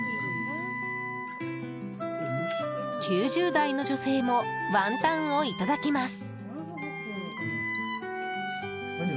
９０代の女性もワンタンをいただきます。